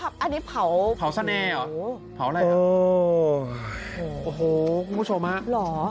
อันนี้เผาเผาเสน่หรอเผาอะไรอ่ะเออโอ้โหคุณผู้ชมฮะเหรอ